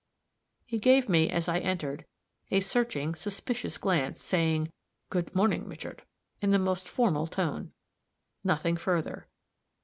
He gave me, as I entered, a searching, suspicious glance, saying, "Good morning, Richard," in the most formal tone. Nothing further.